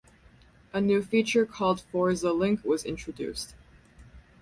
A new feature called "Forza Link" was introduced.